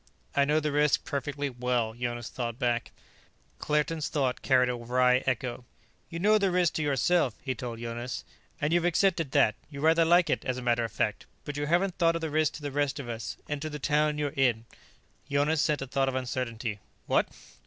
"I know the risk perfectly well," Jonas thought back. Claerten's thought carried a wry echo. "You know the risk to yourself," he told Jonas, "and you've accepted that. You rather like it, as a matter of fact. But you haven't thought of the risk to the rest of us and to the town you're in." Jonas sent a thought of uncertainty: "What?"